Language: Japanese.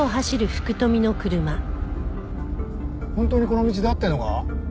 本当にこの道で合ってるのか？